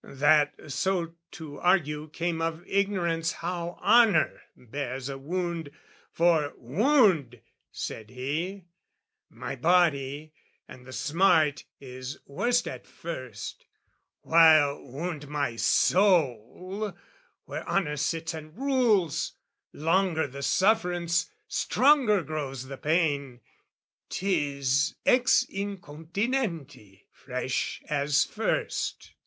That so to argue came of ignorance How honour bears a wound: "For, wound," said he, "My body, and the smart is worst at first: "While, wound my soul where honour sits and rules, "Longer the sufferance, stronger grows the pain, "'Tis ex incontinenti, fresh as first."